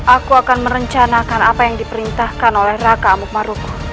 aku akan merencanakan apa yang diperintahkan oleh raka amukmaruf